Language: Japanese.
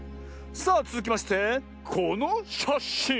さあつづきましてこのしゃしん。